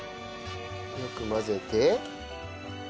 よく混ぜて。